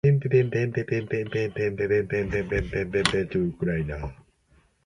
We are giving more than one Billion dollars in direct assistance to Ukraine.